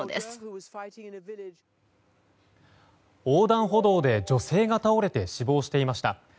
横断歩道で女性が倒れて死亡していました。